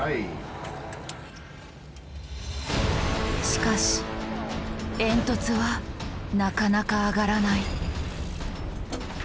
しかし煙突はなかなか上がらない。